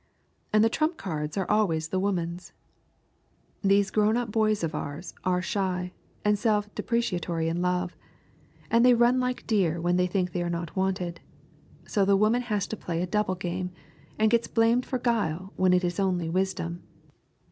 And the trump cards are always the woman's. These grown up boys of ours are shy and self depreciatory in love, and they run like deer when they think they are not wanted. So the woman has to play a double game, and gets blamed for guile when it is only wisdom.